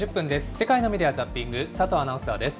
世界のメディア・ザッピング、佐藤アナウンサーです。